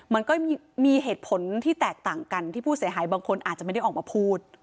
มันก็มีเหตุผลที่แตกต่างกันที่ผู้เสียหายบางคนอาจจะไม่ได้ออกมาพูด